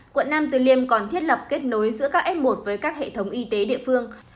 quận nam từ liêm còn thiết lập kết nối giữa các f một với các hệ thống y tế địa phương